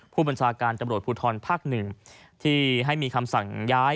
ผู้บัญชาการตำรวจภูทรภาค๑ที่ให้มีคำสั่งย้าย